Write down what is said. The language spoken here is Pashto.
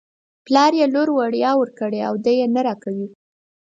پلار یې لور وړيا ورکړې او دی یې نه راکوي.